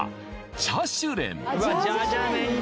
チャシュレン